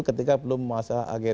ketika belum masa akhir